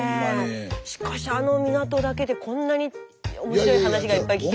しかしあの港だけでこんなに面白い話がいっぱい聞けて。